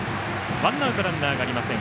ワンアウトランナーがありません。